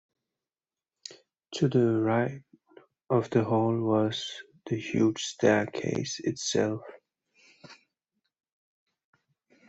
To the right of the hall was the huge staircase itself.